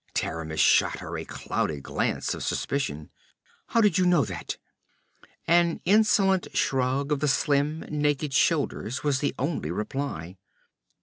Taramis shot her a clouded glance of suspicion. 'How did you know that?' An insolent shrug of the slim naked shoulders was the only reply.